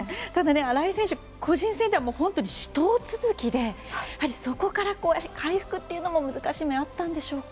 新井選手、個人戦では死闘続きでそこから回復というのも難しい面があったんでしょうか。